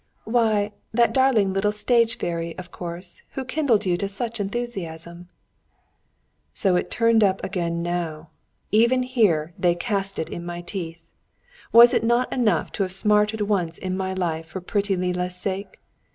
"Why, that darling little stage fairy, of course, who kindled you to such enthusiasm." So it turned up again now! Even here they cast it in my teeth! Was it not enough to have smarted once in my life for pretty Lilla's sake?